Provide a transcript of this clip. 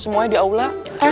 semuanya di aula